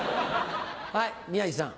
はい宮治さん。